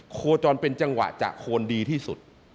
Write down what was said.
โคจรเป็นจังหวะจากโคนดีที่สุด